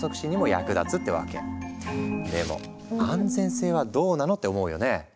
でも「安全性はどうなの？」って思うよね？